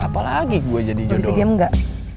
apa lagi gue jadi jodoh lo bisa diem gak